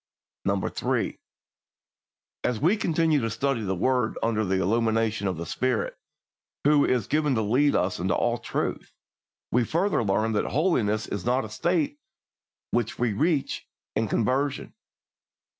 3. As we continue to study the word under the illumination of the Spirit, who is given to lead us into all truth, we further learn that holiness is not a state which we reach in conversion.